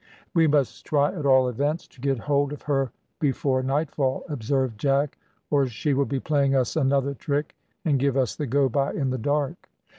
"We must try, at all events, to get hold of her before nightfall," observed Jack, "or she will be playing us another trick, and give us the go bye in the dark."